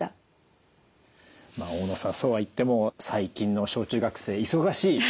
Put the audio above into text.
大野さんそうはいっても最近の小中学生忙しい。